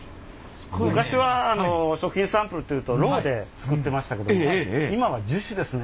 昔は食品サンプルっていうとロウで作ってましたけど今は樹脂ですね。